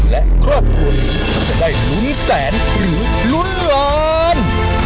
และครอบครัวลูกจะได้หลุนแสนหรือหลุนร้อน